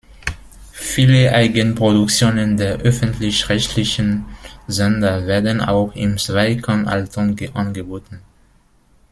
Viele Eigenproduktionen der öffentlich-rechtlichen Sender werden auch im Zweikanalton angeboten.